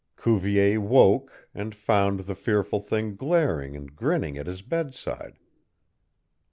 Cuvier woke, and found the fearful thing glaring and grinning at his bedside.